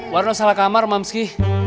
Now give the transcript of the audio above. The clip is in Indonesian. warna salah kamar mamski